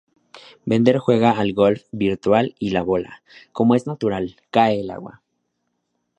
Bender juega al golf virtual y la bola, como es natural, cae al agua.